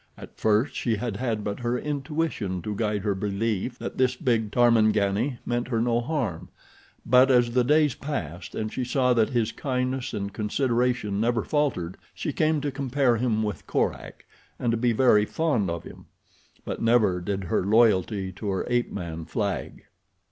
At first she had had but her intuition to guide her belief that this big Tarmangani meant her no harm, but as the days passed and she saw that his kindness and consideration never faltered she came to compare him with Korak, and to be very fond of him; but never did her loyalty to her apeman flag.